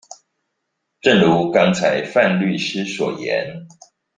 正如剛才范律師所言